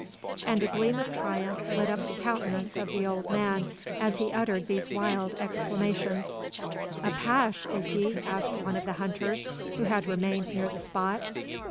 And a gleam of triumph lit up the countenance of the old man as he uttered these wild exclamations. "Apash, is he?" asked one of the hunters, who had remained near the spot.